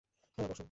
হ্যাঁঁ, বসো।